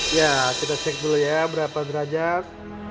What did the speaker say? ya kita cek dulu ya berapa derajat